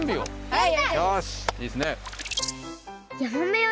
はい。